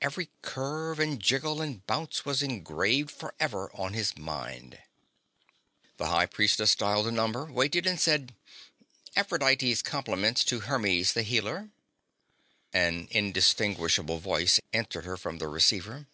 Every curve and jiggle and bounce was engraved forever on his mind. The High Priestess dialed a number, waited and said: "Aphrodite's compliments to Hermes the Healer." An indistinguishable voice answered her from the receiver.